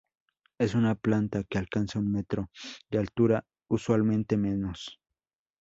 Es una planta que alcanza un metro de altura, usualmente menos.